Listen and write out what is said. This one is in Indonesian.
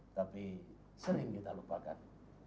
tapi sering kita lupakan